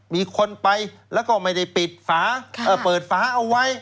มีคนไปแล้วก็ไม่ได้ปิดฝาเปิดฝาเอาไว้